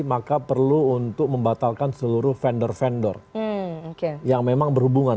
maka perlu untuk membatalkan seluruh vendor vendor yang memang berhubungan